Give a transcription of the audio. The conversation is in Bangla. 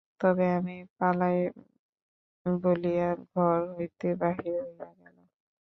তবে আমি পালাই বলিয়া ঘর হইতে বাহির হইয়া গেল।